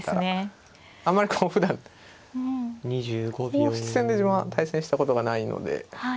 あまりこうふだん公式戦で自分は対戦したことがないので。